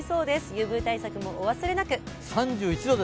ＵＶ対策もお忘れなく。